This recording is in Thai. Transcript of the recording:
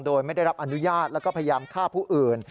โดยไม่ได้รับอนุญาตแล้วก็พยายามฆ่าผู้อื่น